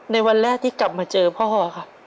วันแรกที่กลับมาเจอพ่อค่ะ